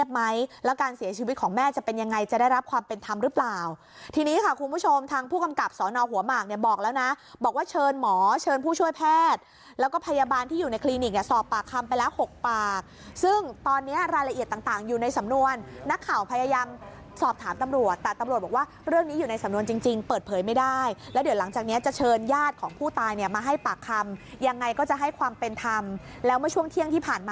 ความเป็นธรรมหรือเปล่าทีนี้ค่ะคุณผู้ชมทางผู้กำกับสนหัวหมากเนี่ยบอกแล้วนะบอกว่าเชิญหมอเชิญผู้ช่วยแพทย์แล้วก็พยาบาลที่อยู่ในคลินิกเนี่ยสอบปากคำไปละ๖ปากซึ่งตอนนี้รายละเอียดต่างอยู่ในสำนวนนักข่าวพยายามสอบถามตำรวจแต่ตำรวจบอกว่าเรื่องนี้อยู่ในสำนวนจริงเปิดเผยไม่ได้แล้วเดี